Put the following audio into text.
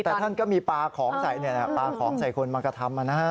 แต่ท่านก็มีปลาของใส่เนี่ยนะปลาของใส่คนมากระทำอะนะ